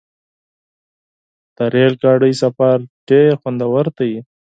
د ریل ګاډي سفر ډېر خوندور دی.